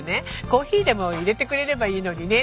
コーヒーでもいれてくれればいいのにねって。